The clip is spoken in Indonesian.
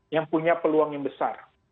yang punya peluang yang besar